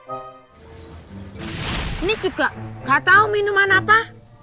ini juga gak tahu minuman apa